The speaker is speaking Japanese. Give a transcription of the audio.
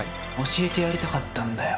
教えてやりたかったんだよ